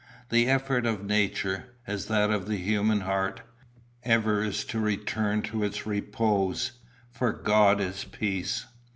The effort of Nature, as that of the human heart, ever is to return to its repose, for God is Peace."